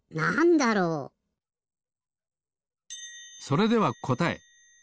それではこたえ。